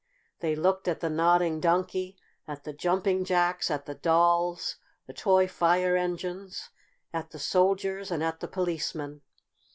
They looked at the Nodding Donkey, at the Jumping Jacks, at the Dolls, the toy Fire Engines, at the Soldiers and at the Policeman.